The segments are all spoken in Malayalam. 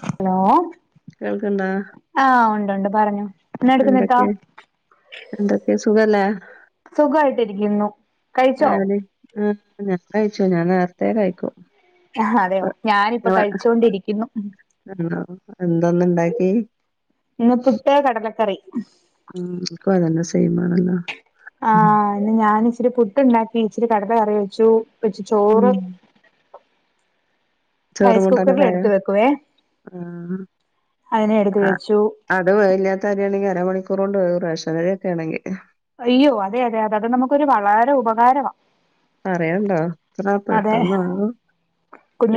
ഹലോ കേൾക്കണ്ടാ ആ ഉണ്ട് ഉണ്ട് പറഞ്ഞോ എന്തൊക്കെ [unintelligible] എന്തൊക്കെ സുഖല്ലേ സുഖായിട്ടിരിക്കുന്നു കഴിച്ചോ ചായകുടി ആ ഞാൻ കഴിച്ചു ഞാൻ നേരത്തേ കഴിക്കും ആ അതെയോ ഞാനിപ്പ കഴിച്ചോണ്ടിരിക്കുന്നു ആണോ എന്താന്ന്ണ്ടാക്കി ഇന്ന് പുട്ട് കടലക്കറി ഉം ക്കും അതെന്നെ സെയ്മാണല്ലോ ആ ഇന്ന് ഞാൻ ഇച്ചിരി പുട്ടുണ്ടാക്കി ഇച്ചിരി കടല കറി വെച്ചു പൊഇച്ചി ഉം ചോറ് ചോറ് റൈസ് കുക്കറിൽ കൂട്ടാനൊക്കായോ എടുത്ത് വെക്കുവേ അതിനെ എടുത്ത് വെച്ചു അത് വേവ് ല്ലാത്ത അരിയാണെങ്കി അരമണിക്കൂറോണ്ട് വേവും റെഷനരിയൊക്കേണെങ്കി അയ്യോ അതെ അതെ അത് നമുക്കൊരു വളരെ ഉപകാരവാ പറയാണ്ടോ എത്ര പെട്ടെന്നാവും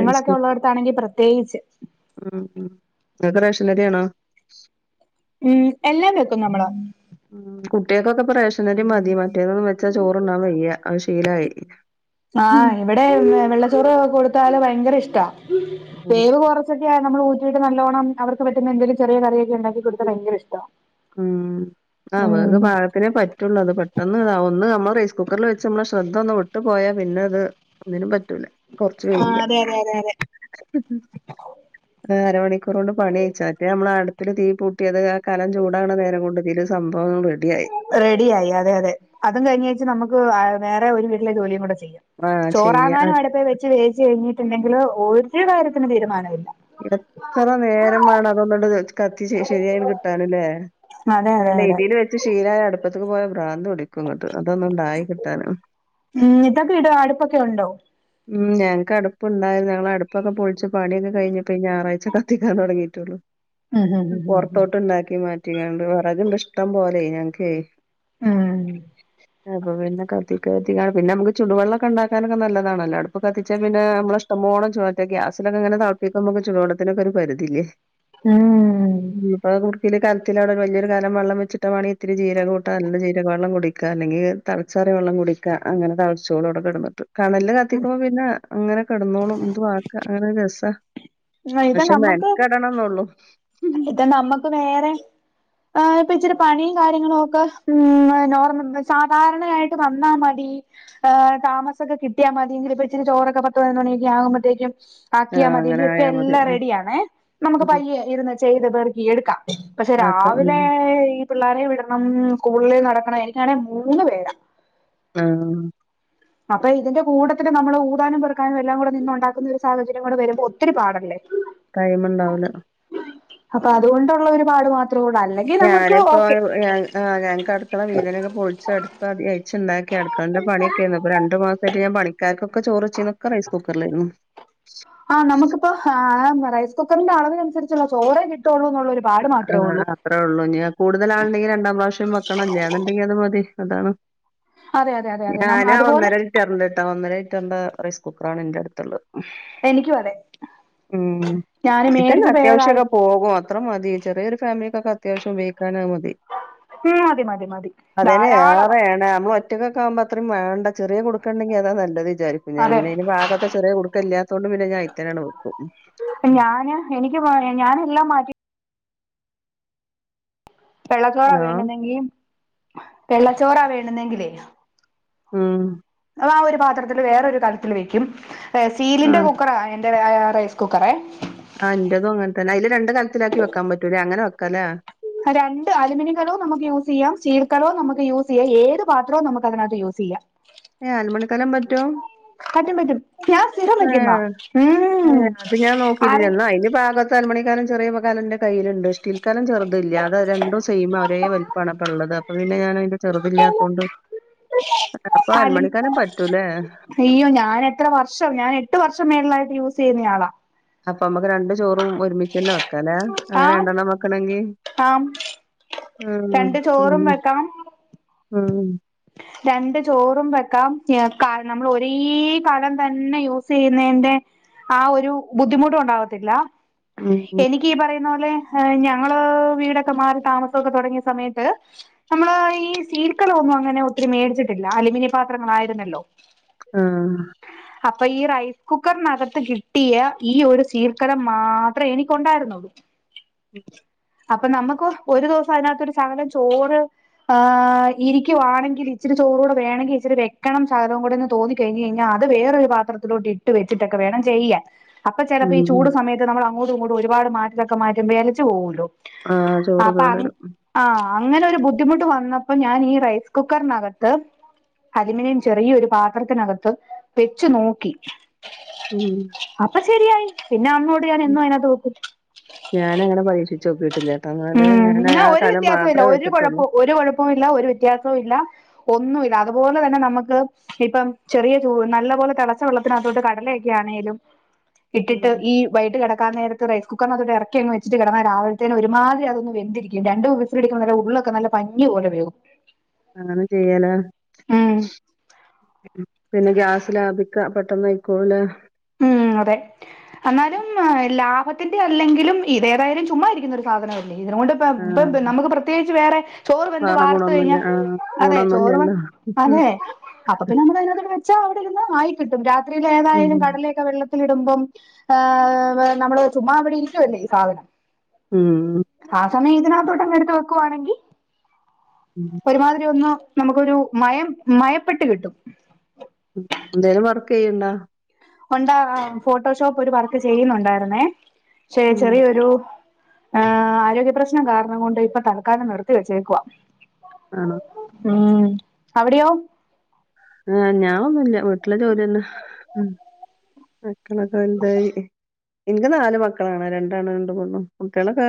റൈസ് കുക്ക് ഉള്ളോട്ത്താണെങ്കി പ്രത്യേകിച്ച് ഉം ഉം ഇങ്ങക്ക് റേഷനരിയാണോ ഉം എല്ലാം വെക്കും നമ്മള് ഉം കുട്ട്യാക്കൊക്കെ റെഷനരി മതി മറ്റേതൊന്ന് വെച്ചാ ചോറുണ്ണാൻ വെയ്യ അത് ശീലായി ആ ഇടെ വെള്ളച്ചോറ് കൊടുത്താല് ഭയങ്കര ഇഷ്ട ഉം വേവ് കൊർ ച്ചൊക്കെ നമ്മളൂറ്റിട്ട് നല്ലോണ്ണം അവർക്ക് പറ്റുന്ന എന്തെലും ചെറിയ കറിയക്കെ ഉണ്ടാക്കി കൊടുത്താ ഭയങ്കര ഇഷ്ട ഇഷ്ടമാണ് ഉം വേവ് പാക തിനെ പറ്റുള്ളൂ അത് പെട്ടെന്ന് ഇതാവും ഒന്ന് നമ്മൾ റൈസ് കുക്കറിൽ വെച്ച് നമ്മളെ ശ്രദ്ധ ഒന്ന് വിട്ട് പോയാ പിന്നെ അത് ഒന്നിനും പറ്റൂല കൊർച്ച് ആഹ് വൈക്യാ അതെ അതെ അതെ അതെ. അരമണിക്കൂർ കൊണ്ട് പണി കയ്ച്ച മറ്റെ നമ്മൾ അടുപ്പില് തീ കൂട്ടി അത് ആ കലം ചൂ ടാവ്ണ നേരം കൊണ്ട് ഇതില് സംഭവം റെഡിയായി റെഡിയായി അതെ അതെ അതും കഴിഞേച്ച് നമുക്ക് വേറെ ഒരു വീട്ടിലെ ജോലിയും കൂടെ ചെയ്യാം ആഹ് ചെയ്യ ചോറാകാനും അട്പ്പെ വെച്ച് വേവിച്ച് കഴിഞ്ഞിട്ടുണ്ടെങ്കില് ഒരു കാര്യത്തിനും തീരുമാനമില്ല എത്ര നേരം വേണം അതൊന്ന്ണ്ട് കത്തിച്ച് ശരിയായോന്നു കിട്ടാന്ല്ലേ അതെ അതെ അതെ ഇതിൽ വെച്ച് ഷീലായ അടുപ്പത്തേക്ക് പോയ ഭ്രാന്ത് പിടി ക്കുംങ്ങട്ട് അതൊന്നുണ്ട് ആയി കിട്ടാൻ ഉം ഇതൊക്കെ ഇട അടുപ്പൊക്കെ ഉണ്ടോ? ഉം ഞങ്ക്കടുപ്പ് ണ്ടായിരുന്നു ഞങ്ങള് അടുപ്പൊക്കെ പൊളിച്ച് പണിയൊക്കെ കഴിഞ്ഞു പ്പീ ഞാറാഴ്ച കത്തിക്കാൻ തൊടങ്ങിട്ടുള്ളു ഉം ഉം ഉം പൊറത്തോട്ട് ണ്ടാക്കി മാറ്റ റ്റിങ്ങാണ്ട് വെറക്ണ്ട് ഇഷ്ടം പോലെ ഞങ്ക്കേ ഉം അപ്പൊ പിന്നെ കത്തിക്ക കരുതിങ്ങണ്ട് പിന്നെ നമ്മക്ക് ചുടു വെള്ളം ണ്ടാക്കാനൊക്കെ നല്ലതാണല്ലോ അടുപ്പ് കത്തിച്ചാൽ പിന്നെ നമ്മളെ ഷ് ടം പോലെ ചൂടാക്കാ ഗ്യാസിലോക്കെങ്ങനെ തളപ്പിക്കുമ്പോ ചുടുവെള്ളത്തിനൊക്കൊരു പരിധില്ലേ ഉം ഇന്ന്പോ കുടുകീല് കലത്തില് അവിടെ വല്യോരു കലം വെച്ചിട്ട വാണങ്കി ഇത്തിരി ജീരകോംട്ട നല്ല ജീരക വെള്ളം കുടി ക്ക അല്ലെങ്കി തളച്ചാറിയ വെള്ളം കുടിക്ക അങ്ങനെ തളച്ചോളും അവടെ കെടന്ന്ട്ട് കണലിൽ കത്തിക്കുമ്പോ പിന്നെ അങ്ങനെ കെടന്നോളും എന്തുവാക്ക അങ്ങനെ രസ ഉം ഇത് പക്ഷെ നമ്മക്ക് മെൻക്കെടണംന്നൊള്ളൂ ഇത് നമ്മക്ക് വേറെ എ ഇപ്പൊ ഇച്ചിരി പണിയും കാര്യങ്ങളൊക്കെ നോർമല സാധാരണയായിട്ട് വന്നാ മതി താമസൊക്കെ കിട്ട്യാമതിയെങ്കില് ഇപ്പോ ഇച്ചിരി ചോറൊക്കെ പത്ത് പത്തിനൊന്ന് മണി ആകുമ്പഴത്തേക്കും ആക്ക്യാ ആഹ് അങ്ങനെ മതിയെങ്കി ഇട്ത്തെ ആയാ മതി എല്ലാം ഉം റെഡിയാണെ നമുക്ക് ഉം പയ്യെ ഇരുന്ന് ചെയ്ത് പെറുക്കി എടുക്കാം പക്ഷെ ആക്കാം ഉം രാവിലെ ഈ പിള്ളാരെ വിടണം സ്കൂളില് നടക്കണം എനിക്കാണെ മൂന്ന്പേര ആ അപ്പൊ ഇതിന്റെ കൂട്ടത്തിൽ നമ്മള് ഊതാനും പെർക്കാനും എല്ലാം കൂടെ നിന്നൊണ്ടാക്കുന്ന ഒരു സാഹചര്യം കൂടെ വരുമ്പോ ഒത്തിരി പാടല്ലേ ടൈമ്ണ്ടാവൂല്ല അപ്പൊ അതുകൊണ്ടുള്ള ഒരുപാട് മാത്രൊള്ളു അല്ലെ ഞാനിപ്പോ ആ ഞങ്ങക്ക് അട്ക്കള വീതനൊക്കെ പൊളിച്ച് അടുപ്പധികായ് ച്ച്ണ്ടാക്കി അടുക്കൾന്റെ പണിയൊക്കെര്ന്നു രണ്ട് മാസായിട്ട് ഞാൻ പണികാർക്കൊക്കെ ചോറ് വെച്ചീന്നു ക്കെ റൈസ് കുക്കറിലായിരുന്നു ആഹ് നമക്കിപ്പ റൈസ് കുക്കറിന്റെ അളവിനനുസരിച്ചുള്ള ചോറേ കിട്ടുകള്ളു. ആ അത്രേ ഉള്ളൂ ഞാൻ കൂടുതല ആ ആ അത്രളളുണ്ടെങ്കിൽ രണ്ടാം പ്രാവശ്യം വെക്കണം അല്ലേ അ എന്നുണ്ടെങ്കിൽ അത് മതി അതാണ്. അതെ അതെ അതെ അതെ നം ഞാനാ അതുപോലെ ഒന്നര ലിറ്ററിണ്ട് ട്ടാ ഒന്നര ലിറ്ററിന്റെ റൈസ് കുക്കർ എന്റെ അടുത്തുള്ളത് എനിക്കും അതെ ഉം ഞാന് ചിക്കൻ മേടിച്ചപ്പോ ഏതായി അത്യാവശ്യൊക്കെ പോകും. അത്ര മതി ചെറിയൊരു ഫാമിലിക്കൊക്കെ അത്യാവശ്യം ഉപയോഗിക്കാ മതി. ഉം മതി മതി മതി അതനെ ധാരാളവാ റെയണ അത്‌ കുറ്റൊക്കെക്കുമ്പ അത്ര വാണ്ട ചെറിയ കുടുക്കണ്ടെങ്കി അതാ നല്ലത് പി ഞ അതെ പിന്നെ ഇനി ഭാഗത്തെ ചെറിയ കുടുക്ക ഇല്ലാത്തുകൊണ്ട് പിന്നെ ഞൻ ഇത്തനാണ് വക്കും. ഞാന് എനിക്ക് ഞാന എല്ലാം മാറ്റി. വെള്ളച്ചോറാ ഹലോ വേണതെങ്കും വെള്ളച്ചോറാ വേണതെങ്കിലേ. ഉം അതാ ആ ഒരു പാത്രത്തില് വേറെൊരു കാര്ത്തിൽ വെക്കും സീലിന്റെ ആഹ് കുക്കറിണ്. ആ ആ റൈസ് കുക്കറെ. ആഹ് ഇന്റതും അങ്ങൻ തന്നെ അതില് രണ്ട കൽത്തിലാക്കി വെക്കാൻ പറ്റൂല അങ്ങനെ വെക്കാല്ലേ. രണ്ട് അലൂുമിനിയ കലോ നമുക്ക് യൂസ് ചെയ്യാം ചീൽക്കലോ നമുക്ക് യൂസ് ചെയ്യാം ഏത് പാത്രവും നമുക്ക് അതിനകത്ത് യൂസ് ചെയ്യാം ഏ ആലുമണിക്കല പറ്റു പറ്റും പറ്റും ഞാൻ സ്ഥിരം വെക്കുന്ന ഏഹ് അയ്‌ന് പാക തൽമണിക്കല ചെറിയ കലന്റെ കയ്യിലണ്ട്. ഇക്കാലം ചെറുതല്ല അത് രണ്ട സയിം ഒരേ വലപ്പമാണ്പ്പ ഇള്ളത് അപ്പ പിന്ന ഞാൻ അയ്ന്റെ ചെറുത ഇല്ലാതൊണ്ട് അപ്പൊ അലും അരമണിക്കാര പറ്റൂലേ. അയ്യോ ഞാൻ എത്ര വർഷം ഞാൻ എട്ട് വർഷം മേളയിട്ട് യൂസ് ചെയ്യുന്നയാളാ അപ്പൊ നമ്മക്ക് രണ്ട ചോറും ഒരുമി തന്നെ വെക്കലേ അങ്ങനെ ആഹ് രണ്ടെണ്ണം വെക്കണെങ്കി ആഹ് ആഹ് രണ്ട് ചോറും ആഹ് വെക്കാം ആഹ് രണ്ട് ചോറും വെക്കാം നമ്മൾ ഒരേ കലം തന്നെ യൂസ് ചെയ്യുന്നന്റെ. ആ ഒരു ബുദ്ധിമുട്ട് ഉണ്ടാവത്തില്ല ഉം. എനി പറയുന്ന പോലെ ഞങ്ങള് വീടൊക്കെ മാറി താമസമൊക്കെ തുടങ്ങിയ സമയത്ത്. നമ്മള് ഈ സീൽക്കളമ ഒന്നും അങ്ങനെ ഒത്തിരി മേടിച്ചിട്ടില്ല അലൂമിനിയം പാത്രങ്ങളായിരുന്നല്ലോ ആഹ് അപ്പൊ ഈ റൈസ് കുക്കറിനകത്ത് കിട്ടിയ ഈ ഒരു സീൽക്കരം മാത്രമേ എനിക്കുണ്ടായിരുന്നുള്ളൂ. അപ്പൊ നമുക്ക് ഒരു ദിവസം അതിനകത്തരു സകലം ചോറ് ആ ഇരി ക്കവാണെങ്കിൽ ഇച്ചിരി ചോറൂ വേമെങ്കിൽ ഇച്ചരി വെക്കണം സകലകൂടെ എന്ന് തോന്നി കഴിഞ്ഞ് കഴിഞ്ഞാ അത് വേറൊരു പാത്രത്തിൽ. ഇട്ട് വെച്ചിട്ടൊക്കെ വേണം ചെയ്യൻ. അപ്പൊ ചിലപ്പോ ഈ ഉം. ചൂട് സമയത്ത് നമ്മൾ അങ്ങോട്ടുങ്ങട്ടും ഒരുപാട് മാറ്റിലൊെ പോകല്ലോ ആഹ് ചോറ് കേടരും. ആഹ അങ്ങനെ ഒരു ബുദ്ധിമുട്ട് വന്നപ്പോ ഞാൻ ഈ റൈസ് കുക്കറിനകത്ത് അല്മിനിയും ചെറിയൊരു പാത്രത്തിനകത്ത് വെച്ചു നോക്കി ഉം. അപ്പൊ ശെരിയായി പിന്നെ അമ്മോട് ഞാൻ എന്നും അതിനാ തോക്കും. ഞാൻ അങ്ങനെ പരീച്ച് നക്കിട്ടില്ല ചേട്ടാ എന്നാല് ഉം ഞാൻ എന്നാ ആ കലം മാത്രേ വെച്ചിട്ടുള്ളൂ. ല്ല ഒരു വ്യത്യാസവും ഇല്ല ഒന്നുല്ല അതുപോലെ തന്നെ നമക്ക്. ഇപ്പം ചെറിയ ചൂ നല്ല പോലെ തെളച്ച വെള്ളത്തിനത്തോട്ട് കടലയൊക്കെ ആണെലും ഇട്ടിട്ട് ഉം. ഈ വൈിട്ട് കിടക്കാൻ നേ. റൈസ് കുക്കറിട്ട ഇറക്കിഅങ് വച്ചിട്ട് കിയ്ഞ്ഞ ഒരു മാതിരി അത് വന്തിരിക്കും രണ്ട് വിസില് അടിക്കുമ്പം തന്നെ ഉള്ളൊക്കെ നല്ലേ പഞ്ഞി പോലെ വേഗും. അനെ ചെയ്യലേ ഉം പിന്നെ ഗ്യാസ് ലാഭിക്ക പെട്ടെന്ന് കയിക്കോലേ ഉം അതെ എന്നാലും ലാഭ ത്തിന്റെ അല്ലെങ്കിലും ഇതഏതായാലും ചുമ്മാരിക്കുന്ന ഒരു സാധനംമല്ലേ ഇതുകൊണ്ട് ആഹ് ഇപ്പ നമുക്ക് പ്രത്യേകിച്ച് വേറെ. ചോറു വെന്ത് വേറെ വാർത്ത് ഗുണൊന്നുല്ല. കയ്ഞ്ഞാ ആഹ് അതെ ചോറ് ഗുണൊന്നുല്ലല്ലോ. വെന് അതെ അപ്പൊ പിന്നെ നമ്മളതിനകത്തേക്ക് വെ വെച്ച അവിടെ ഇര്ന്ന് ആയി കിട്ടും രാത്രിയില് ഉം. ഏതായാലും ക ടലയൊക്കെ വെള്ളത്തിലിടുമ്പം ആ വെ നമ്മള് ചുമ്മാ അവിടെ ഇരിക്കുവല്ലേ ഈ സാധനം ഉം ആ സമയം ഇതിനകത്തോട്ടങ്ങ് എട്ത്ത് വെക്കുവാണെങ്കി ഉം ഒരുമാതിരി ഒന്ന് നമ്ക്കൊരു മയം മയപ്പെട്ട് കിട്ടും ഉം എന്തേലും വർക്കെയ്യ്ണ്ടാ ഒണ്ടാ ഫോട്ടോഷോപ്പ് ഒര് വർക്ക് ചെയ്യ്ന്നുണ്ടായിര്ന്നേ ക്ഷെ ഉം. ചെറിയൊരു ആഹ് ആരോഗ്യപ്രശ്നം കാരണം കൊണ്ട് ഇപ്പൊ തൽക്കാലം നിർത്തി വെച്ചേക്കുവാ ആണോ ഊം അവിടിയോ ആഹ് ഞാ ഒന്നുല്ല വീട്ടിലെ ജോലിതന്നെ ഉം മക്കളൊക്കെ വെൽതായി ഇൻക്ക് നാല് മക്കളാണ് രണ്ടാണ് രണ്ട് പെണ്ണും കുട്ട്യേളൊക്കെ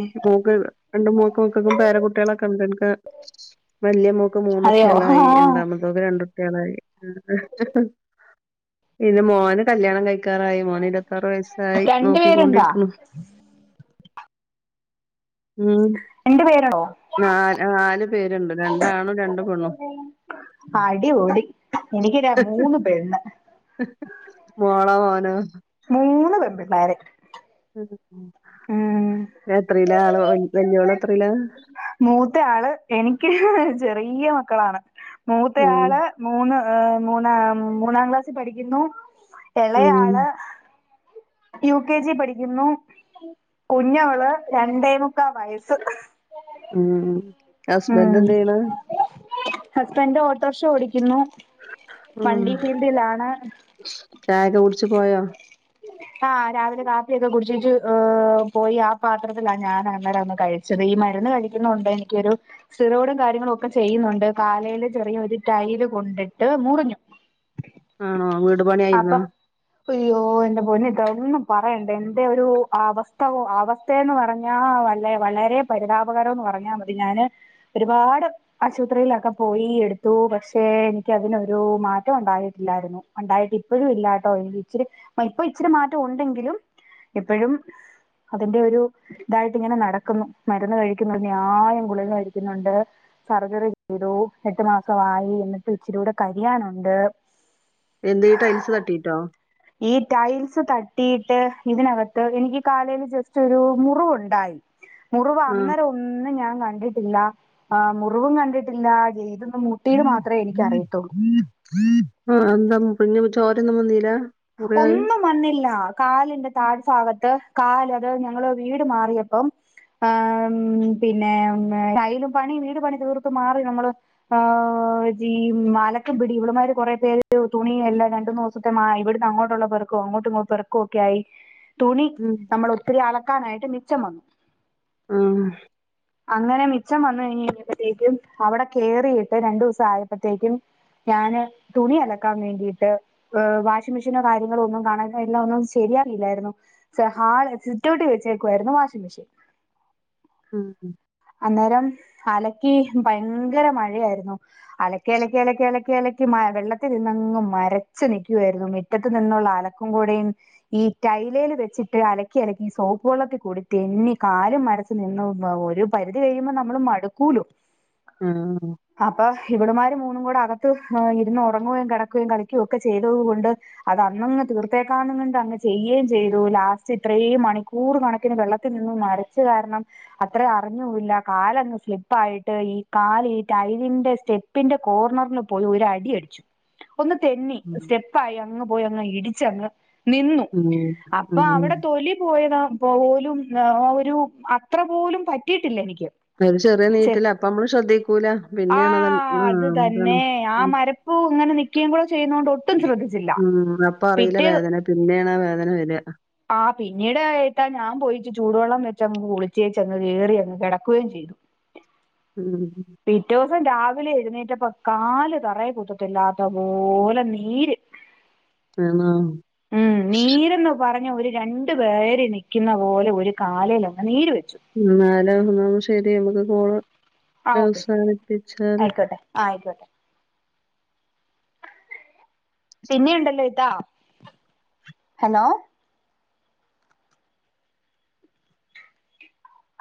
ഇൻക്ക് മോക്ക് രണ്ട് മോക്കും മക്കൾക്കു പേര കുട്ട്യേളൊക്കെണ്ട് ഇൻക്കെ വല്യ മോക്ക് അതെയോ മൂന്നുട്ട്യാളായി ആഹ് രണ്ടാമത്തോക്ക് രണ്ടുട്ട്യാളായി പിന്നെ മോന് കല്യാണം കഴിക്കാറായി മോന് ഇരത്താറ് വയസ്സായി രണ്ടു പേരുണ്ടാ നോക്കിക്കൊണ്ടിരിക്ക്ന്ന് ഉം രണ്ട് പേരാണോ നാല് നാല് പേര്ണ്ട് രണ്ടാണും രണ്ട് പെണ്ണും അടിപൊളി എനിക്ക് ര മൂന്ന് പെണ്ണ് മോളോ മോനോ മൂന്ന് പെമ്പിള്ളാര് ഉം എത്രീലാ ആള് വൽ വല്ല്യാേളെത്രീലാ മൂത്തയാള് എനിക്ക് ചെറിയ്യ മക്കളാണ് ഉം മൂത്തെയാള് മൂന്ന് അ മൂന്നാ മൂന്നാം ക്ലാസ്സിപഠിക്കുന്നു ഉം എളെയാള് യു കെ ജി പഠിക്കുന്നു കുഞ്ഞവള് രണ്ടേ മുക്കാ വയസ്സ് ഉം ഹസ്ബൻഡ് ഉം എന്ത് ചെയ്യണ് ഹസ്ബന്റ് ഓട്ടോർഷ ഓടിക്കുന്നു ഉം വണ്ടി ഫീൽഡിലാണ് ചായൊക്കെ കുട്ച്ച് പോയോ ആഹ് രാവിലെ കാപ്പിയൊക്കെ കുടിച്ചേച്ച് ഏഹ് പോയി ആ പാത്രത്തിലാ ഞാന് അന്നേരമൊന്ന് കഴി ച്ചത് ഈ മര്ന്ന് കഴിക്കുന്നോണ്ട് എനിയ്ക്കൊരു സിറോടും കാര്യങ്ങളും ഒക്കെ ചെയ്യ്ന്നുണ്ട് കാലേല് ചെറിയ ഒര് ടൈല് കൊണ്ടിട്ട് മുറിഞ്ഞു ആണോ വീട് അപ്പൊ പണ്യായ്ര്ന്നോ? അയ്യോ എന്റെ പൊന്നിത്താ ഒന്നും പറയണ്ട എന്റെ ഒരു അവസ്ഥ അവസ് ത്തേന്ന് പറഞ്ഞാ വല്ല വളരെ പരിതാപകരോന്ന് പറഞ്ഞാ മതി ഞാന് ഒരുപാട് ആശുപത്രിയിലൊക്കെ പോയി എടുത്തു പക്ഷെ എനിക്കതിനൊരു മാറ്റം ഉണ്ടായിട്ടില്ലായിര്ന്നു ഉണ്ടായിട്ട് ഇപ്പഴും ഇല്ലാട്ടോ ഇച്ചിരി അ ഇപ്പൊ ഇച്ചിരി മാറ്റം ഉണ്ടെങ്കിലും ഇപ്പഴും അതിന്റെ ഒരു തായിട്ടിങ്ങെനെ നടക്കുന്നു മരുന്ന് കഴിയ്ക്കുന്നുണ്ട് അന്യായം ഗുളിക കഴിയ്ക്ക്ന്നുണ്ട് സർജറി ചെയ്തു എട്ട് മാസവായി എന്നിട്ടും ഇച്ചരി കൂടെ കരിയാനുണ്ട് എന്ത് ഈ ടൈൽസ് തട്ടീട്ടോ? ഈ ടൈൽസ് തട്ടിയിട്ട് ഇതിനകത്ത് എനിക്ക് കാലേല് ജെസ്റ്റാെരു മുറിവുണ്ടായി മുറിവ് ആഹ് അന്നേര ഒ ഒന്നും ഞാൻ കണ്ടിട്ടില്ലാ ആ മുറിവും കണ്ടിട്ടില്ലാ ഇതൊന്ന് മു ട്ടീത് മാത്രേ എനിക്കറിയത്തൊള്ളൂ ആഹ് എന്താ മുറിഞ്ഞപ്പം ചോരെന്നും വന്നീലാ ഒന്നും വന്നില്ല കാലിന്റെ താഴ്ഭാഗത്ത് കാല് അത് ഞങ്ങള് വീട് മാറിയപ്പം ആഹ് പിന്നെ കയ്യിലും പണിയും വീട് പണി തീർത്തു മാറി നമ്മള് ഹ് ജഈ മാലക്കൻ പിിടി ഇവിടെമാര് കൊറെ പേര് തുണിയല്ല രണ്ടു ദിവസത്തെ ഇവിടെ അങ്ങോട്ടുള്ള പെറക്കോ അങ്ങോട്ടും ഇങ്ങ പെറക്കോ ഒക്കെ ആയി തുണി ഉം നമ്മൾ ഒത്തിരി അലക്കാനായിട്ട് മിച്ചം വന്നു ഉം അങ്ങനെ മിച്ചം വന്നു കഴിഞ്ഞപ്പോഴത്തേക്കും അവിടെ കേറിയിട്ട് രണ്ടു ദിവസം ആയപ്പോഴത്തേക്കും ഞാന് തുണി അലക്കാൻ വേണ്ടിയിട്ട് ഏഹ് വാഷിം വാഷി മെഷീനോ കാര്യങ്ങള ഒന്നും കാണാ എല്ലാം ഒന്ന് ചെയ്യാറില്ലായിരുന്നു ഹാള സിറ്റോട്ടിൽ വെച്ചേക്കുവായിരുന്നു വാഷിംഗ് മെഷീൻ ആഹ് അന്നേരം അലക്കി ഭയങ്കര മഴയായിരുന്നു അലക്കി അലക്കി അലക്കി അലക്കി അലക്കി വെള്ളത്തിൽ നിന്നങ്ങ് മരച്ച് നിൽക്കുവായിരുന്നു മുറ്റത്ത് നിന്നുള്ള അലക്കും കൂടെയും ഈ ടൈലേല് വെച്ചിട്ട് അലക്കി അലക്കി ഈ സോപ്പ് വെള്ളത്തിൽ കൂടി തെന്നി കാലും മര നിന്ന് ഒരു പരിധി കഴിയുമ്പോൾ നമ്മള് മടുക്കൂലോ ആഹ് അപ്പൊ ഇവിടുമാര് മൂന്നും കൂടെ അകത്ത് ഇരിന്ന് ഉറങ്ങുകയും കിടക്കുകയും കളിക്കുകയും ഒക്കെ ചെയ്തത് കൂ ട്.. അത അന്നങ്ങ് തീർത്തേക്കാന്നുകണ്ട് അങ്ങ് ചെയ്യുകയും ചെയ്തു ലാസ്റ്റ് ഇത്രയും മണിക്കൂർ കണക്കിന് വെള്ളത്തിൽ നിന്നും മാറി ച്ച് കാരണം അത്ര അറിഞ്ഞൂല്ല കാലങ്ങ് സ്ലിപ്പായിട്ട് ഈ കാല് ഈ ടൈലന്റെ സ്റ്റെപ്പ് പ്പിന്റെ കോർണറിന് പോയി ഒരു അടി അടിച്ചു ഒന്ന് തെന്നി ഉം സ്റ്റെപ്പായി അങ്ങ് പോയി അങ്ങ് ഇടിച്ചങ്ങ് നിന്നു ഉം അപ്പൊ ഉം അവിടെ തൊലി പോയതാ പോലും ഒരു അത്ര പോലും പറ്റിയിട്ടില്ല എനിക്ക് അത് ചെറിയ ഛെ നീറ്റല അപ്പൊ നമ്മള് ശ്രദ്ധിക്കൂല പിന്നെയാണ് അത് ആഹ് അതാണ് ആഹ് ഉം മരപ്പ് ഇങ്ങനെ നിക്കുകയും ചെയ്യുന്നത് കൊണ്ട് ഒട്ടും ശ്രദ്ധിച്ചില്ല ഉം അപ്പൊ അറിയില്ല പിറ്റേത് വേദന പിന്നെയാണ് ആ വേദന വര ആ പിന്നീട് ഏട്ടാ ഞാൻ പോയിട്ട് ചൂടുവെള്ളം വെച്ചങ്ങ് കുളിച്ചേച്ചങ് കയറിങ് കിടക്കുകയും ചെയ്തു ഉം പിറ്റേസം രാവിലെ എഴുന്നേറ്റപ്പ കാല് തറയെ കുത്തത്തില്ലാത്ത പോലെ നീര് [inaudible] ഉം നീരന്ന പറഞ്ഞ ഒരു രണ്ടു പേര് നിൽക്കുന്ന പോലെ ഒരു കാലേൽ അങ്ങ് നീര് വെച്ചു എന്നാൽ ശരി നമുക്ക് കോൾ അവസാനിപ്പിച്ചാല് ആഹ് ആയിക്കോട്ടെ പിന്നെയുണ്ടല്ലോ ഇത്താ ഹലോ